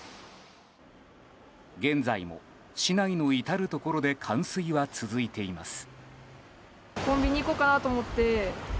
現在も市内の至るところで冠水が続いています。